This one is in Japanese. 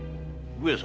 上様